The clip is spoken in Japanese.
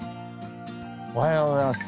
おはようございます。